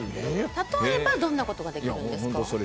例えばどんなことができるんですか。